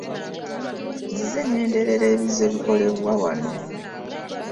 Nzize ŋŋenderera ebizze bikolebwa wano.